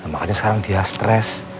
makanya sekarang dia stres